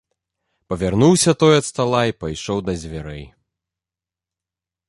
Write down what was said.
Павярнуўся той ад стала і пайшоў да дзвярэй.